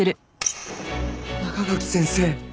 中垣先生！